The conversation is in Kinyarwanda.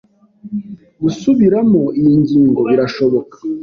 Gusubiramo iyi ngingo birashoboka?